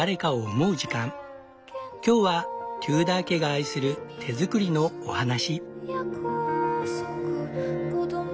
今日はテューダー家が愛する手作りのお話。